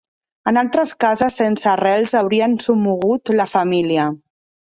En altres cases sense arrels haurien somogut la família